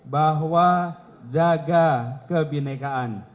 bahwa jaga kebenekaan